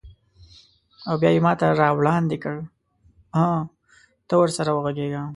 او بیا یې ماته راوړاندې کړ: هه، ته ورسره وغږیږه.